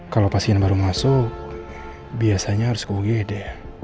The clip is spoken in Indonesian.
kalau pasien baru masuk biasanya harus kugede